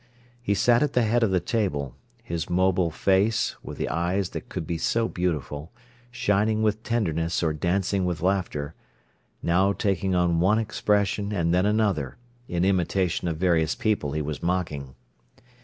He sat at the head of the table, his mobile face, with the eyes that could be so beautiful, shining with tenderness or dancing with laughter, now taking on one expression and then another, in imitation of various people he was mocking.